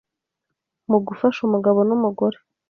mu gufasha umugabo n’umugore